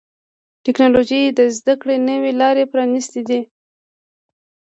ټکنالوجي د زدهکړې نوي لارې پرانستې دي.